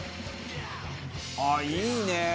「あっいいね！」